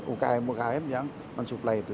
ukm ukm yang mensuplai itu